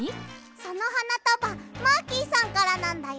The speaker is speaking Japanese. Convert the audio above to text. そのはなたばマーキーさんからなんだよ。